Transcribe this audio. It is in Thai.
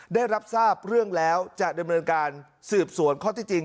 ได้รับทราบเรื่องแล้วจะดำเนินการสืบสวนข้อที่จริง